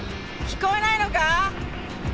聞こえないのか！？